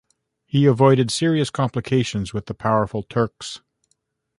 He avoided serious complications with the powerful Turks.